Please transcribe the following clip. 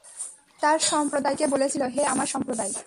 সে তার সম্প্রদায়কে বলেছিল, হে আমার সম্প্রদায়!